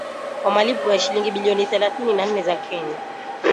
kwa malipo ya shilingi bilioni thelathini na nne za Kenya